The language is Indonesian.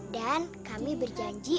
dan kami berjanji